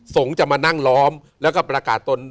สงฆ์จะมานั่งล้อมแล้วก็ประกาศตน